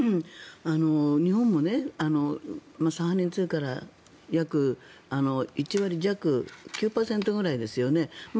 日本もサハリン２から約１割弱、９％くらいですよね。